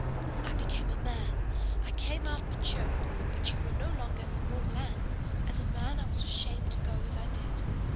I became a man! I came out matured; but you were no longer in the warm lands; as a man I was ashamed to go as I did.